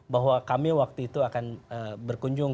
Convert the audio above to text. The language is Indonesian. bahwa kami waktu itu akan berkunjung